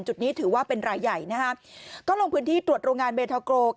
จุดนี้ถือว่าเป็นรายใหญ่ก็ลงพื้นที่ตรวจโรงงานเบทอโกร